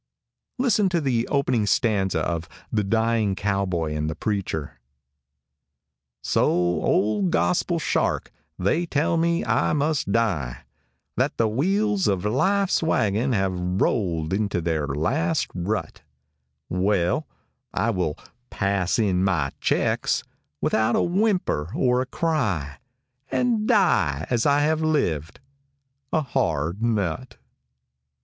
Listen to the opening stanza of "The Dying Cowboy and the Preacher:" ``So, old gospel shark, they tell me I must die; ``That the wheels of life's wagon have rolled into their last rut, ``Well, I will "pass in my checks" without a whimper or a cry, ``And die as I have lived "a hard nut."